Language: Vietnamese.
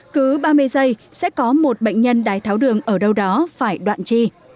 cứ ba mươi giây sẽ có một bệnh nhân đái tháo đường ở đâu đó phải đoạn chi